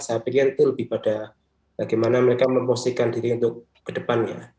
saya pikir itu lebih pada bagaimana mereka memposisikan diri untuk ke depannya